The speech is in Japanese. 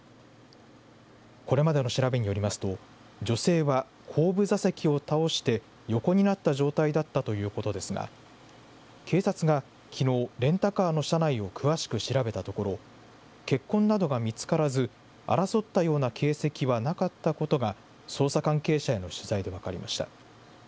これまでの調べによりますと、女性は後部座席を倒して、横になった状態だったということですが、警察がきのう、レンタカーの車内を詳しく調べたところ、血痕などが見つからず、争ったような形跡はなかったことが捜査関係者への取材で分かりました。